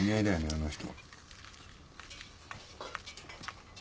あの人。